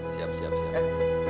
siap siap siap